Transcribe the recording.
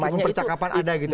meskipun percakapan ada gitu pak